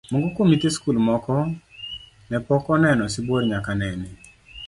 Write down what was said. Moko kuom nyithi skul moko ne pok oneno sibuor nyaka nene.